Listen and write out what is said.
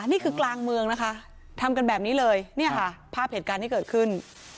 นี่คือกลางเมืองนะคะทำกันแบบนี้เลยเนี่ยค่ะภาพเหตุการณ์ที่เกิดขึ้น